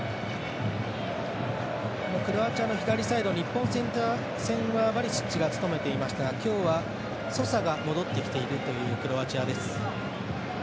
クロアチアの左サイド日本戦はバリシッチが務めていましたが今日はソサが戻ってきているというクロアチアです。